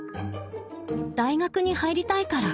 大学に入りたいから。